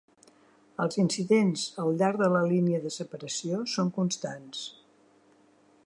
Els incidents al llarg de la línia de separació són constants.